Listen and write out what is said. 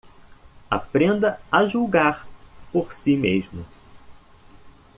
Aprenda a julgar por si mesmo